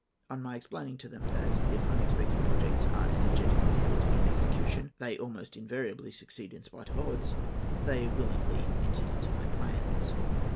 On my explaining to them that, if unexpected projects are energetically put in execution, they almost invariably succeed in spite of odds, they willingly entered into my plans.